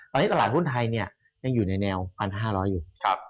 ตอนนี้ตลาดหุ้นไทยยังอยู่ในแนว๑๕๐๐อยู่